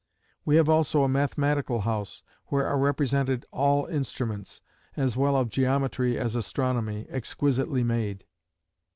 "We have also a mathematical house, where are represented all instruments, as well of geometry as astronomy, exquisitely made.